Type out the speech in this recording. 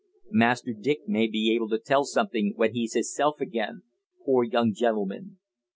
Master Dick may be able to tell something when he's hisself again, pore young gentleman."